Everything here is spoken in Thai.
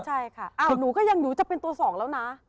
ใช่ค่ะหนูก็ยังหนูจะเป็นตัวสองแล้วนะ